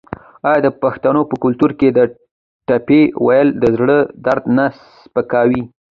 آیا د پښتنو په کلتور کې د ټپې ویل د زړه درد نه سپکوي؟